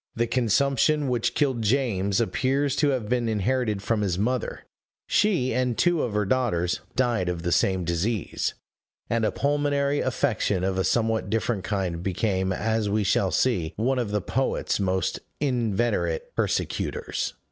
The consumption which killed James appears to have been inherited from his mother; she, and two of her daughters, died of the same disease; and a pulmonary affection of a somewhat different kind became, as we shall see, one of the poet's most inveterate persecutors.